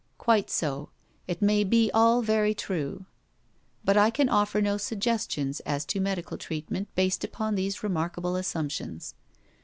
Quite so. It may be all very true; but I can offer no suggestions as to medical treatment based upon these remarkable assumptions.